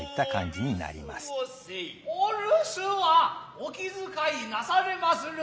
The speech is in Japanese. お留守はお気使ひなされまするな。